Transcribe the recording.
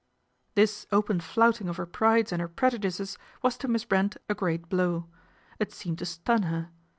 This open flouting of her prides and her preju dices was to Miss Brent a great blow. It seemed to stun her.